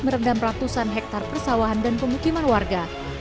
merendam ratusan hektare persawahan dan pengukiman warga